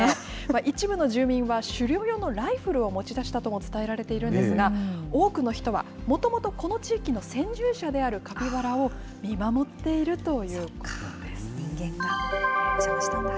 一部の住民は狩猟用のライフルを持ち出したとも伝えられているんですが、多くの人はもともとこの地域の先住者であるカピバラを見守っているということです。